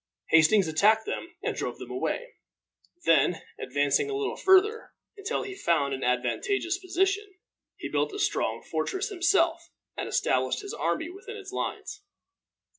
Hastings attacked them and drove them away. Then, advancing a little further, until he found an advantageous position, he built a strong fortress himself and established his army within its lines.